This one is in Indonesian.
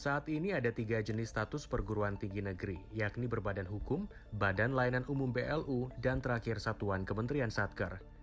saat ini ada tiga jenis status perguruan tinggi negeri yakni berbadan hukum badan layanan umum blu dan terakhir satuan kementerian satker